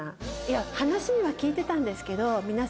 話には聞いてたんですけど。